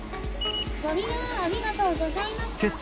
ご利用ありがとうございました。